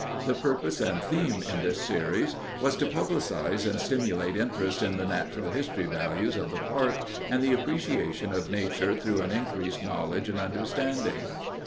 The purpose and theme in this series was to publicize and stimulate interest in the natural history values of the park and the appreciation of nature through an increased knowledge and understanding.